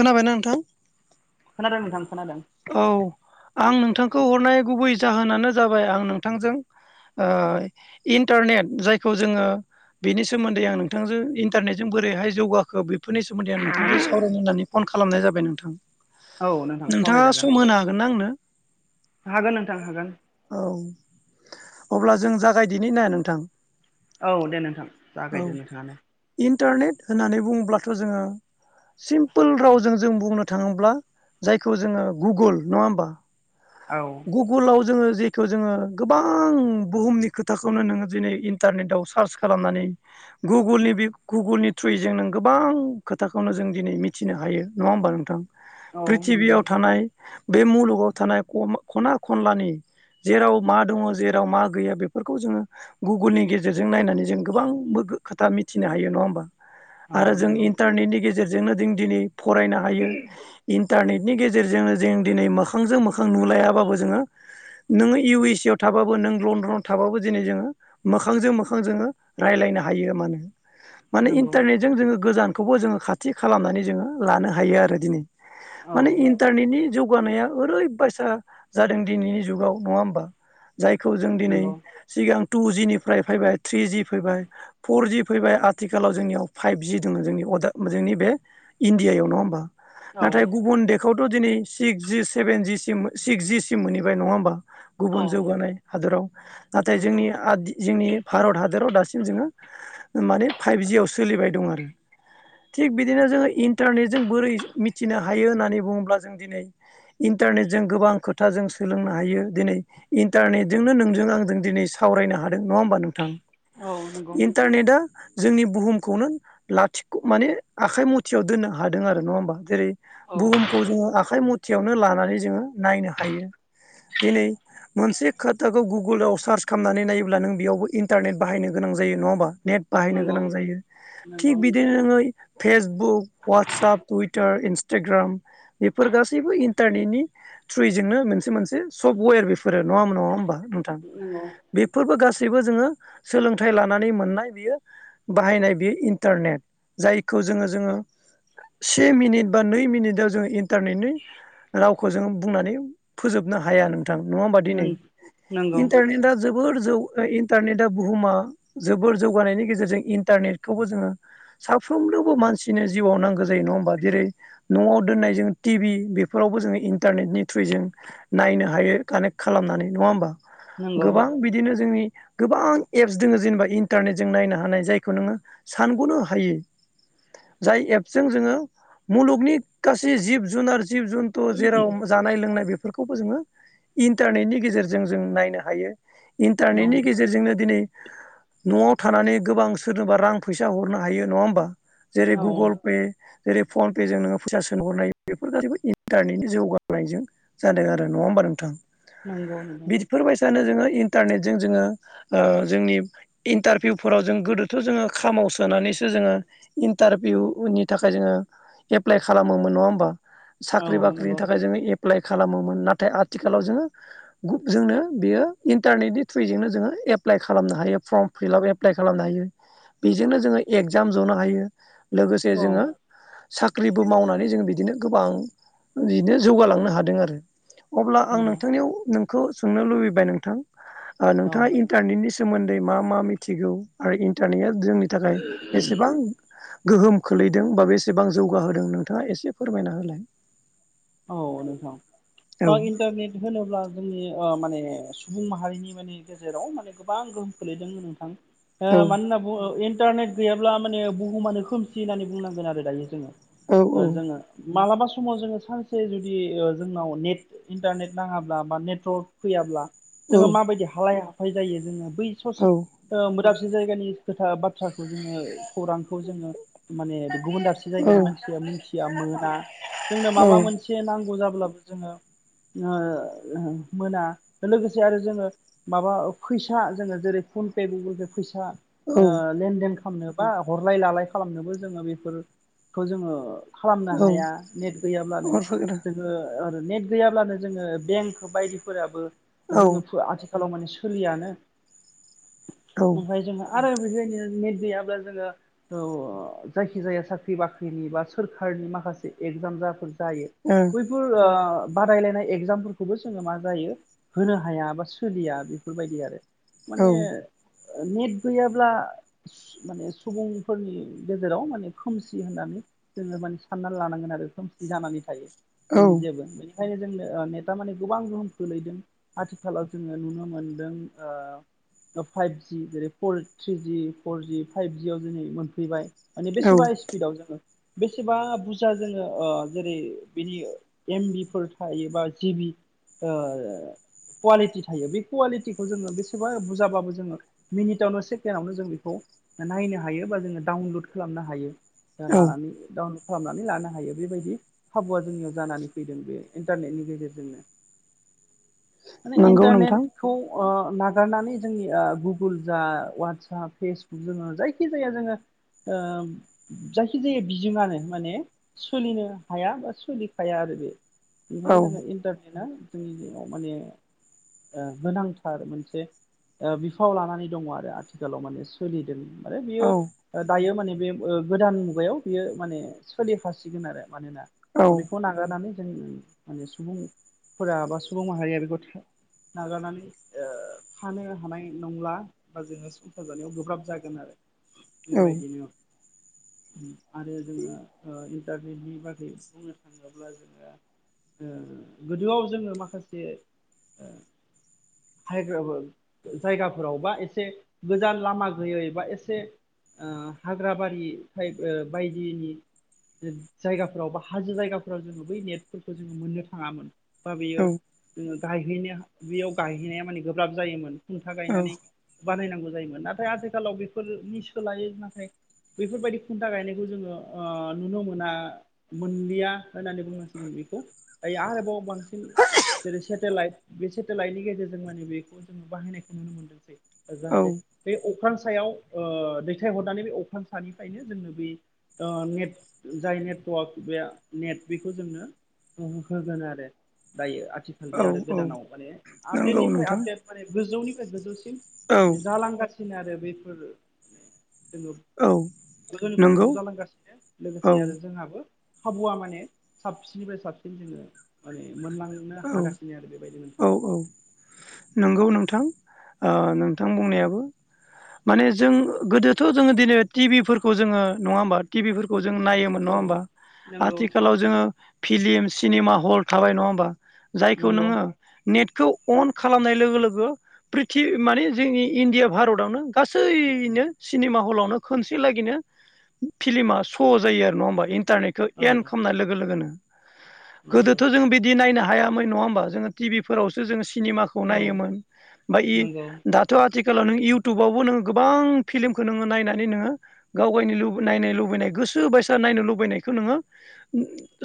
खोनाबायना नोंथां? खोना नोंथां खोनादों। औ आं नोंथांखौ हरनाय गुबै जाहोनानो जाबाय आं नोंथांजों ओ इन्टारनेट जायखौ जोङो बेनि सोमोन्दै आं नोंथांजों इन्टारनेट जों बोरैहाय जौगाखो बेफोरनि सोमोन्दै आं नोंथांजों सावरायनो होननानै फन खालामनाय जाबाय नोंथां। औ नोंथां। नोंथाङा सावरायजागोन सम होनो हागोनना आंनो? हागोन नोंथां हागोन औ। अब्ला जों जागायदिनो नाया नोंथां? औ दे नोंथां औ जागायदो नोंथाङानो। इन्टारनेट होननानै बुङोब्लाथ' जोङो सिमपोल रावजों जों बुंनो थाङोब्ला जाय खौ जोङो गुगोल नङा होमबा? औ गुगोलाव जोङो जेखौ जोङो गोबां बुहुमनि खोथाखौनो नोङो दिनै इन्टारनेटआव सार्च खालामनानै गुगोलनि बे गुगोलनि थ्रुयै जों नों गोबां खोथाखौनो जों दिनै मिथिनो हायो नङा होमबा नोंथां? औ नंगौ प्रिथिबियाव थानाय बे मुलुगाव थानाय खमा खना खनलानि जेराव मा दङ जेराव मा गैया बेफोरखौ जोङो गुगोलनि गेजेरजों नायनानै जों गोबां बो खोथा मिथिनो हायो नङा होमबा औ आरो जों नंगौ इन्टारनेटनि गेजेरजोंनो जों दिनै फरायनो हायो इन्टारनेटनि गेजेरजोंनो जों दिनै मोखांजों मोखां नुलायाबाबो जोङो नोङो इउ एस ए आव थाबाबो नों लण्डनाव थाबाबो दिनै जोङो मोखजों मोखां जोङो रायज्लायनो ने ज नंगौ बेखौबो जोङो खाथि खालामनानै जोङो लानो हायो आरो दिनै औ माने इन्टारनेटनि जौगानाया ओरैबायसा जादों दिनैनि जुगाव नङा होमबा जायखौ जों दिनै नंगौ सिगां टु जिनिफ्राय फैबाय थ्रिजि फैबाय फरजि फैबाय आथिखालाव जोंनियाव फाइभजि दङ जोंनियाव अदा जोंनि बे इण्डियायाव नङा होमबा औ नाथाय गुबुन देखआवथ' दिनै सिक्सज सेभेन जि सिम सिक्सज सिम मोनहैबाय नङा होमबा औ गुबुन जौगानाय हादराव नाथाय नंगौ जोंनि आ जोंनि भारत हादराव दासिम जोङो माने फाइभजियाव सोलिबाय दं आरो थिग बिदिनो जोङो इन्टारनेटजोंों बोरै मिथिनो हायो होननानै बुङोब्ला जों दिनै इन्टारनेटजों गोबां खो खोथाजों सोलोंनो हायो दिनै इन्टारनेटजोंनो नोंजों आंजों दिनै सावरायनो हादों नङा होमबा नोंथां औ नंगौ इन्थ निद जोंनि बुहुमखौनो लाथिख' माने आखाइ मथियाव दोननो हादों आरो नङा होमबा जेरै औ बुहुमखौ जोङो आखाइ मथियावनो लानानै जोङो नायनो हायो। दिनै मोनसे खोथाखौ गुगोलाव सार्च खालामनानै नायोब्ला नों बेयावबो इन्टारनेट बाहायनो गोनां। जायोङा नेट बाहायनो नंगौ गोनां जायो थि नंगौ बिदिनो ङै फेसबुक ववाटसप टुइटार इन्सटाग्राम बेफोर गासैबो इन्टारनेटनि थ्रु नो मोनसे मोनसे सफ्टवेर बेफोरो नङा हा नङा हबा नोंथां बेफोरबो गासै गास जोङो सोलोंथाइ लानानै मोननाय बियो बाहायनाय बियो इन्टारनेट जायखौ ज ज इन्टारनेटनि रावखौ जों बुंनानै फोजोबनो हाया नों नोंथां नडा होनबा दिनै नंगौ इनटारनेटा जोबोर जोबोर जौ इन्टारनेटा बुहुमा जोबोर जौगानायनि गेजेरजों इन्टारनेटखौबो जोङो साफ्रोमनोबो मानसिनो जिउआव नांगौ जायो नङा होमबा जेरै न'आव दोननाय जोंङ टिभि बेफोरावबो जोङो इन्टारनेटनि थ्रुय जों नायनो हायो कानेक्ट खालामनानै नङा होमबा नंगौ नंगौ गोबां बिदिनो जोंनि गोबां एप्स दङ जेनेबा इन्टारनेटजों नायनो हानाय जायखौ नोङो सानग'नो हायो जाय एपजों जोङो मुलुगनि गासै जिब जुनार जिब जुनार जेराव जानाय लोंनाय बेफोरखौबो जोङो इन्टारनेटनि गेजेरजों जों नायनो हायो औ इन्टारनेटनि गेजेरजोंनो दिनै न'आव थानानै गोबां सोरनोबा रां फैसा हरनो हायो नङा होमबा जेरै औ गुगोल पे जेरै फन पे जों नोङो फैसा सोंहरनाय बेफोर गासैखौ इन्टारनेटनि जौगानायजों जादों आरो नङा होमबा नोंथां नंगौ नोंथां बेफोरबायसानो जोङो इन्टारनेट जजों जोङो जोंनि इन्टारभिउफोराव जों गोदोथ' जोङो खामो सोनानैसो जोङो इन्टारभिउनि थाखाय जोङो एप्लाइ खालामोमोन नङा होमबा औ साख्रि बाख्रिनि नंगौ थाखाय जोङो एप्लाइ एप्लाइ खालामोमोन नाथाय आथिखालाव जोङो जोंनो बेयो इन्टारनेटनि थ्रुयैजोंनो जोङो एप्लाइ खालामनो हायो फर्म फिलप एप्लाइ खालामनो हायो बेजोंनो जोङो एगजाम जनो हायो लोगोसे औ जोङो साख्रिबो मावनानै जों बिदिनो गोबां बिनो जौगालांनो हादों आरो अब्ला आं नंगौ नोंथांनियाव नोंखौ सोंनो लुबैबाय नोंथां नोंथाङा औ इन्टारनेटनि सोमोन्दै मा मा मिथिगौ आरो इनटारनेटआ जोंनि थाखाय बेसेबां गोहोम खोलैदों बा बेसेबां जौगाहोदों नोंथाङा एसे फोरमायना होलाय औ औ नोंथां इन्टारनेट होनोब्ला जोंनि माने सुबुं माहारिनि माने गेजेराव माने गोबां गोहोम खोलैदों नोंथां। औ मानो होनना बुङो इन्टारनेट गैयाब्ला माने बुहुमानो खोमसि होननानै बुंनांगोन आरो दायो जोङो। औ जोङो मालाबा समाव जोङो सानसे से जुदि जोंनाव नेट इन्टारनेट नाङाब्ला बा नेटवारक फैयाब्ला औ जोङो माबायदि हालाय हाफाय जायो जोङो बै औ ससे मोजां माखासे जायगानि खोथा बाथ्राखौ जोङो खौरांखौ जोङो माने गुबुन दाबसे औ जायगानि मानसिया मिथिया मोना। जोंनो औ माबा मोनसे नांगौ जाब्लाबो जोङो मोना लोगोसे आरो जोङो माबा फैसा जोङो जेरै फन पे गुगोल पे फैसा औ लेनदेन खालामनो बा हरलाय लालाय खालामनोबो जोङो बेफोरखौ जोङो खालामनो हाया नेट गैयाब्लानो जोङो नेट गैयाब्लानो जोङो बेंक बायदिफोराबो जोङो आथिखाल आथिखालाव माने सोलियानो ओमफ्राय जोंहा आरो बेबायनो नेट गैयाब्ला जोङो जायखिजाया साख्रि बाख्रिनि बा सोरखारनि माखासे एजाम जाफोर जायो बैफोर बादायलायनाय एगजामफोरखौबो जोङो मा जायो होनो हाया बा सोलिया बेफोरबायदि आरो माने नेट गैयाब्ला माने सुबुंफोरनि गेजेराव माने खोमसि होननानै जोङो माने साननानै लानांगोन आरो खोमसि जानानै थायो जेबो माने ओंखायनो जों नेथा माने गोबां गोहोम खोलैदों आथिखालाव जोङो नुनो मोनदों। फाइभजि जेरै फर थ्रिजि फरजि फाइभजियाव दिनै मोनफैबाय माने औ बेसेबा स्पिडआव जोङो बेसेबा बुरजा जोङो जेरै बिनि एमबि फोर थायो बा जिबि कुवालिटि थायो बे कुवालिटिखौ जोङो बेसेबा बुरजाबाबो जोङो मिनिटआवनो सेकेण्डआवनो जों बेखौ नायनो हायो बा जोङो डाउनलड खालामनो हायो। औ लानानै डाउनलड खालामनानै लानो हायो। बेबायदि खाबुआ जोंनियाव जानानै फैदों बे इन्टारनेटनि गेजेरजोंनो माने नंगौ नोंथां इन्टारनेटखौ नागारनानै जोंनि गुगोल जा वाट्सप फेसबुक जोङो जायखि जाया जोङो जायखिजाया बिजोङानो माने सोलिनो हाया बा सोलिखाया आरो बे औ बेनिखायनो जोङो इन्टारनेटआ जोंनि दिनाव माने गोनांथार मोनसे बिफाव लानानै दङ आरो आथिखालाव माने सोलिदों। आरो बियो औ दायो माने बे गोदान मुगायाव बियो माने सोलिफासिगोन आरो। मानोनाा औ बेखौ नागारनानै जों माने सुबुंफोरा बा सुबुं माहारिया बेखौ नागारनानै थानो हानाय नंला बा जोंहा संसार जानायाव गोब्राब जागोन आरो। औ बेबायदिनो आरो जोङो इन्टारनेटनि बुंनो थाङोब्ला जोङो गोदोआव जोङो माखासे [unintelligible] [unintelligible] हायग्रा जायगाफोराव बा एसे गोजान लामा गैयै बा एसे हाग्राबारिफ्राय बायदिनि जायगाफोराव बा हाजो जायगाफोराव जोङो बै नेटफोरखौ जोङो मोननो थाङामोन बा औ बेयो जोङो गायहैनो बेयाव गायहैनाया माने गोब्राब जायोमोन खुन्था औ गायनानै बानायनांगौ जायोमोन नाथाय आथिखालाव बेफोरनि सोलायै नाथाय बेफोरबायदि खुन्था गायनायखौ जोङो नुनो मोना। मोनलिया होननानै बुंनांसिगोन बेखौ आरोबाव जेरै सेटेलाइट बे सेटेलाइटनि गेजेरजों माने बेखौ जोङो बाहायनायखौ नुनो मोनदोंसै औ जानसे बे अख्रां सायाव दैथायहरनानै बे अख्रां सानिफ्रायनो जोंनो बे नेट जाय नेट नेट बेखौ जोंनो होगोन आरो दायो आथिखाल बे औ आरो औ गोदानाव माने नंगौ आपडेटनिफ्राय नोंथां आपडेट माने गोजौनिफ्राय गोजौ औ माने जालांगासिनो आरो बेफोर माने जोङो गोजौनिफ्राय नंगौ गोजौ जालांगासिनो औ लोगोसे आरो जोंहाबो खाबुआ माने साबसिननिफ्राय साबसिन जोङो माने मोनलांनो औ हागासिनो आरो बेबायदि नोंथां औ औ नंगौ नोंथां नोंथां बुंनायाबो माने जों गोदोथ' जोङो दिनै टि भिफोरखौ जोङो नङा होमबा टिभिफोरखौ जों नायोमोन नङा औ होमबा नंगौ आथिखालाव जोङो फिलिम सिनेमा हल थाबाय नङा होमबा जायखौ नंगौ नोङो नेट खौ अन खालामनाय लोगो लोगो प्रि माने जोंनि इण्डिया भारतावनो गासै सिनेमा हलनो खसेनो फिमा ' जायो आरो नङा ह ारनेखौ औ एन खमनाय लोगो लोगोनो नंगौ गोदोथ' जों बिदि नायनो हायो हायामै नङा होमबा जोङो टि भि फोरावसो जोङो सिनेमाखौ औ नायोमोन बओमफ्राय नंगौ दाथ' आथिखाल आथिखालाव नों इउटुबावबो नोङो गोबां फिल्मखौ नोङो नायनानै नोङो गाव गायनो नाय लुबैनाय गोसो गोसो बायसा नायनो लुबैनायखौ नोङो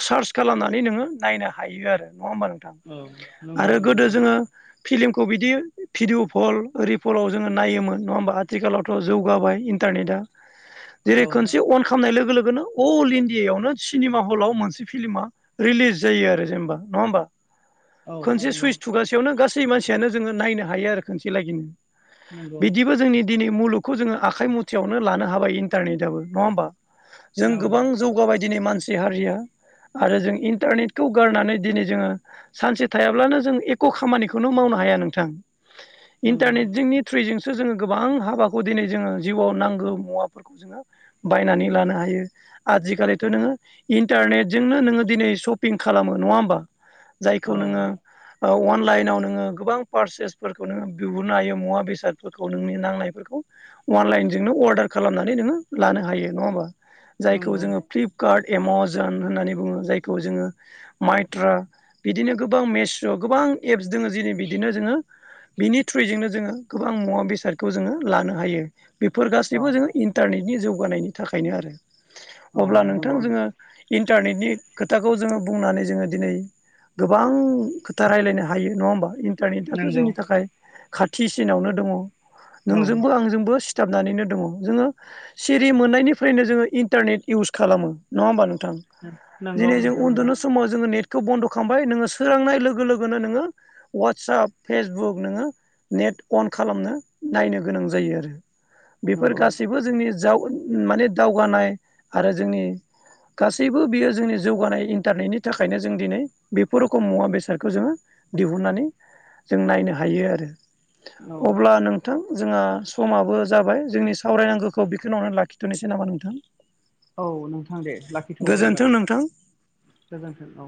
सार्स खालामनानै नोङो नायनो हायो आरो नङा होमबा नोंथां औ नंगौ आरो गोदो नंगौ जोङो फिलि्मखौ बिदि भिडिअ पल रओि फलाव जोङो नायोमोन नङा होमबा आथिखालावथ' जौगाबाय ने जेरै औ खनसे अन खालामनाय लोगो बेनो अल इण्डियायावनो सिनेमा हलाव मोनसे फिल्मा रिलिज जायो आरो जेनेबा नङा होमबा औ खनसे नंगौ सुइस थुगासेयावनो गासै मानसियानो जोङो नायनो हायो आरो खनसे लागिनो नंगौ बिदिबो जोंनि दिनै मुलुगखौ जोङो आखाइ मुथयावनो लानो हाबाय इन्टारनेटाबो नङा होमबा औ जों गोबां जौगाबाय दिनै मानसि हारिया आरो जों इन्टारनेटखौ गारनानै दिनै जोङो सानसे थायाब्लानो जों एख' खामानिखौनो मावनो हाया नोंथां। नंगौ इन्टारनेट जोंनि थ्रुयैजों सो जोङो गोबां हाबाखौ दिनै जोङो जिउवाव नांगौ मुवाफोरखौ जोङो बायनानै लानो हायो। आजिखालिथ' नोङो इन्टारनेटजोंनो नोङो दिनै सपिं खालामो नङा होमबा? जायखौ औ नोङो अनलाइनाव नोङो गोबां पारसेसफोरखौ नोङो बिहरनो हायो मुवा बेसादफोरखौ नोंनि नांनायफोरखौ बा अनलाइनजोंनो अर्डार खालामनानै नोङो लानो हायो नङा होमबा? जायखौ नंगौ जोङो फ्लिपकार्ट एमजन होननानै बुङो जायखौ जोङो माइ ट्रा बिदिनो गोबां मेस' गोबां एप्स दङ जेरै बिदिनो जोङो बिनि थ्रयजोंनो जोङो गोबां मुवा बेसादखौ जोङो लानो हायो। बेफोर औ गासैबो जों इन्टारनेटनि जौगानायनि थाखायनो आरो औ अब्ला नोंथां नंगौ जोङो इन्टारनेटनि खोथाखौ जोङो बुंनानै जोङो दिनै गोबां खोथा राय्लायनो हायो नङा ओमबा इन्टारनेटथ' नंगौ जोंनि थाखाय खाथिसिनावनो दङ औ नोंजोंबो आंजोंबो सिथाबनानैनो दङ जोङो सिरि मोननायनिफ्रायनो जोङो इन्टारनेट इउस खालामो नङा होमबा नों थां दिनै नंगौ जों नोंथां नंगौ उन्दुनो समाव जो नेट खौ बन्द' खालामबाय नोङो सोरांनाय लोगो लोगोनो नोङो वाट्साप, फेसबुक नोङो नेट अन खालामनो नायनो गोनां जायो आरो बेफोर नंगौ गासैबो जोंनि माने दावगानाय आरो जोंनि गासैबो बियो जोंनि जौगानाय इन्टारनेटनि थाखायनो जों दिनै बेफोर रोखोम मुवा बेसादखौ जोङो दिहुननानै जों नायनो हायो आरो औ अब्ला नोंथां जोंहा समाबो जाबाय जोंनि सावरायनांगौखौ बेखौनावनो लाखिथ'नोसै नामा नोंथां? औ नोंथां दे लाखिथबाय ओमबा गोजोन्थों नों नोंथां गोजोन्थों औ।